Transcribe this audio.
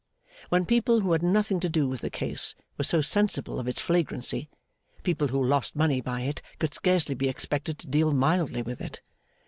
When people who had nothing to do with the case were so sensible of its flagrancy, people who lost money by it could scarcely be expected to deal mildly with it.